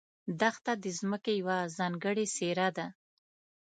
دښته د ځمکې یوه ځانګړې څېره ده.